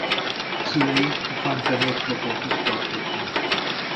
Szülei a fante népcsoporthoz tartoznak.